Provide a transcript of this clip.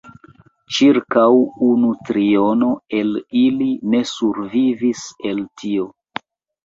Ĉirkaŭ unu triono el ili ne survivis el tio.